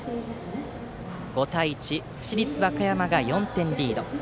５対１、市立和歌山が４点リード。